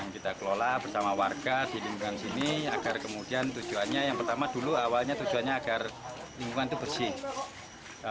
kita kelola bersama warga di lingkungan sini agar kemudian tujuannya yang pertama dulu awalnya tujuannya agar lingkungan itu bersih